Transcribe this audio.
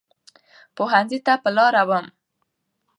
پوهنځۍ ته په لاره وم.